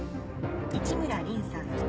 市村凛さん。